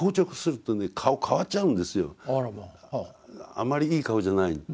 あまりいい顔じゃない。